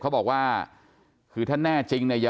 เขาบอกว่าคือถ้าแน่จริงเนี่ย